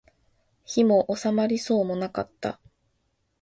火も納まりそうもなかった